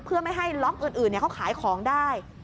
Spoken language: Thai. เพื่อไม่ให้ล็อกอื่นเขาขายของได้